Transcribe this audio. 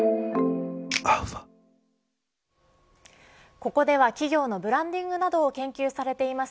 ここでは、企業のブランディングなどを研究されています